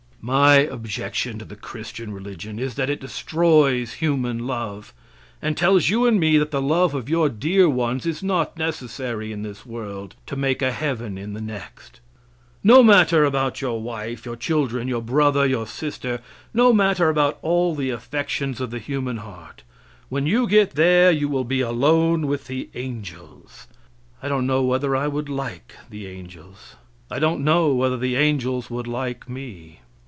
My objection to the Christian religion is that it destroys human love, and tells you and me that the love of your dear ones is not necessary in this world to make a heaven in the next. No matter about your wife, your children, your brother, your sister no matter about all the affections of the human heart when you get there you will be alone with the angels. I don't know whether I would like the angels. I don't know whether the angels would like me.